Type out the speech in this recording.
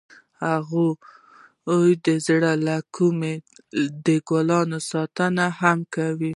هغې د زړه له کومې د ګلونه ستاینه هم وکړه.